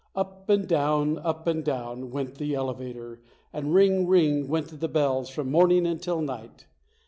Up and down, up and down, went the elevator, and ring, ring, went the bells from morning until night.